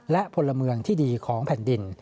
และพลเมืองที่ดีของแผ่นดิน